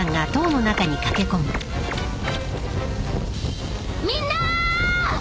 みんな！